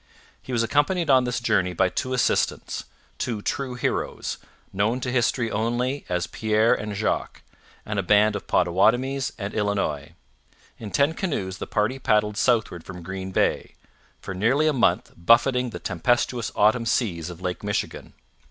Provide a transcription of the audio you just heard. He was accompanied on this journey by two assistants two true heroes known to history only as Pierre and Jacques, and a band of Potawatomis and Illinois. In ten canoes the party paddled southward from Green Bay, for nearly a month buffeting the tempestuous autumn seas of Lake Michigan.